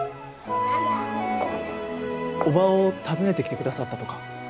叔母を訪ねてきてくださったとか。